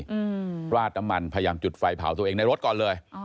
อืมราดน้ำมันพยายามจุดไฟเผาตัวเองในรถก่อนเลยอ๋อ